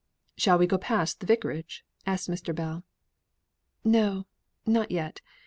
"Shall we go past the vicarage?" asked Mr. Bell. "No, not yet.